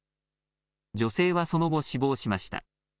女性はその後、死亡しました。